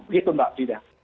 begitu mbak prida